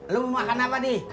lu mau makan apa di